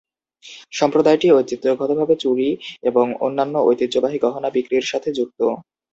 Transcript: সম্প্রদায়টি ঐতিহ্যগতভাবে চুড়ি এবং অন্যান্য ঐতিহ্যবাহী গহনা বিক্রির সাথে যুক্ত।